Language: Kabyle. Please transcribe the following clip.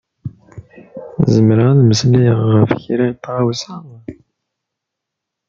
Zemreɣ ad d-meslayeɣ ɣef kra n tɣawsa?